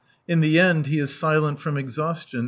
In the end he is silent from exhaustion.